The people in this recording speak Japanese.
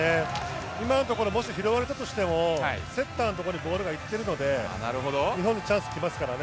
今のところ、もし拾われたとしても、セッターのところにボールが行っているので、日本にチャンスきますからね。